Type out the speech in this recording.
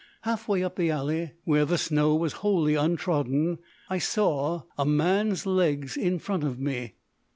Half way up the alley, where the snow was wholly untrodden, I saw a man's legs in front of me.